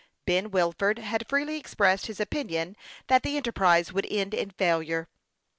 Ben Wilford had freely expressed his opinion that the enterprise would end in failure.